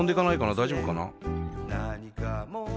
大丈夫かな？